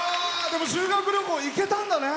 でも修学旅行、行けたんだね。